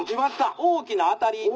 「大きな当たり」。